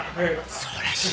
そうらしい。